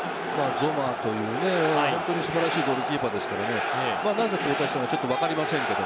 ゾマーという本当に素晴らしいゴールキーパーですけれどなぜ動かしたのか分かりませんけれど。